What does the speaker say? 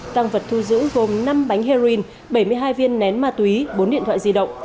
tăng vật thu giữ gồm năm bánh heroin bảy mươi hai viên nén ma túy bốn điện thoại di động